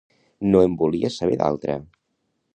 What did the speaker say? No en volia saber d'altra!